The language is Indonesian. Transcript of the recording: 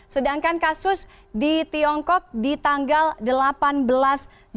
sedangkan kasus di tiongkok di tanggal delapan belas juni